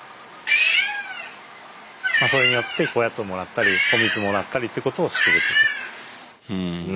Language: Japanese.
それによっておやつをもらったりお水もらったりっていうことをしてるっていうことです。